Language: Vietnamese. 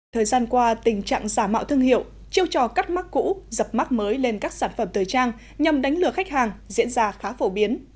thời gian qua tình trạng giả mạo thương hiệu chiêu trò cắt mắt cũ dập mắt mới lên các sản phẩm thời trang nhằm đánh lừa khách hàng diễn ra khá phổ biến